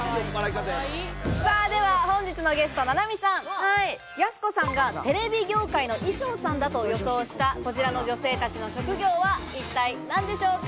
では本日のゲスト・菜波さん、やす子さんがテレビ業界の衣装さんだと予想した、こちらの女性たちの職業は一体何でしょうか？